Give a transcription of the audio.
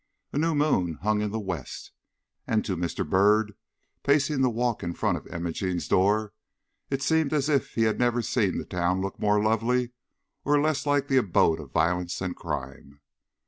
A new moon hung in the west, and to Mr. Byrd, pacing the walk in front of Imogene's door, it seemed as if he had never seen the town look more lovely or less like the abode of violence and crime.